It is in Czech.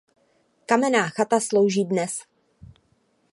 Kamenná chata slouží dnes.